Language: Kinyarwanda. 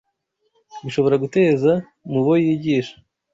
bishobora guteza mu bo yigisha